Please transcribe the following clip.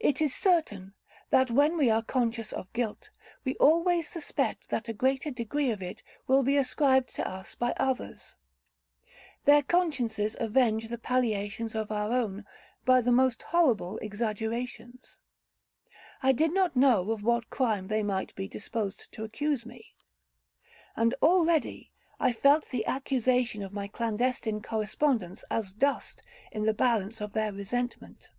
It is certain, that when we are conscious of guilt, we always suspect that a greater degree of it will be ascribed to us by others. Their consciences avenge the palliations of our own, by the most horrible exaggerations. I did not know of what crime they might be disposed to accuse me; and already I felt the accusation of my clandestine correspondence as dust in the balance of their resentment.